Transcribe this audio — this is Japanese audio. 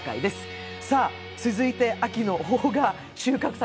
続いて、秋の邦画収穫祭！